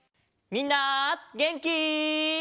みんなげんき？